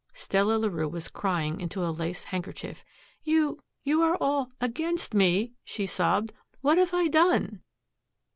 Stella Larue was crying into a lace handkerchief. "You you are all against me," she sobbed. "What have I done?"